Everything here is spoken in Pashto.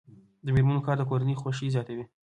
د میرمنو کار د کورنۍ خوښۍ زیاتوي.